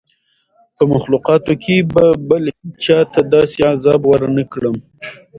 په مخلوقاتو کي به بل هېچا ته داسي عذاب ورنکړم